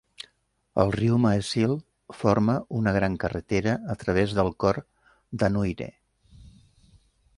El riu Maesil forma una gran carretera a través del cor d'Anuire.